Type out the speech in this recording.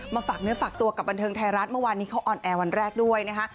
ฝากเนื้อฝากตัวกับบันเทิงไทยรัฐเมื่อวานนี้เขาออนแอร์วันแรกด้วยนะคะ